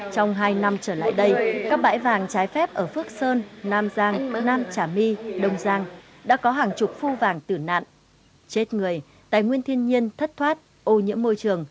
trong hai năm trở lại đây các bãi vàng trái phép ở phước sơn nam giang nam trà my đông giang đã có hàng chục phu vàng tử nạn chết người tài nguyên thiên nhiên thất thoát ô nhiễm môi trường